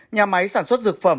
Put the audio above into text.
nhà máy sản xuất dược phẩm